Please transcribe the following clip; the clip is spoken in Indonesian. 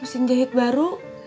masih jahit baru